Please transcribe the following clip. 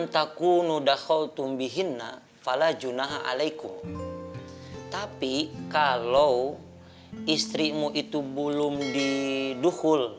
tapi kalau istrimu itu belum didukul